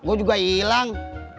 gua juga ilang